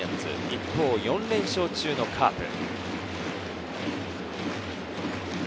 一方、４連勝中のカープ。